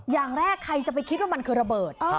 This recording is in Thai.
อย่างแรกใครจะไปคิดว่ามันคือระเบิด